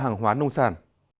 hàng hóa nông sản